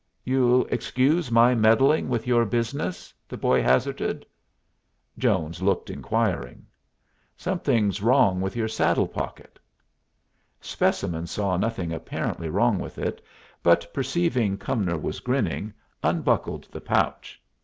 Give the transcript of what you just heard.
"You'll excuse my meddling with your business?" the boy hazarded. Jones looked inquiring. "Something's wrong with your saddle pocket." Specimen saw nothing apparently wrong with it, but perceiving Cumnor was grinning, unbuckled the pouch.